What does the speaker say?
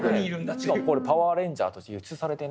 しかもこれ「パワーレンジャー」として輸出されてね。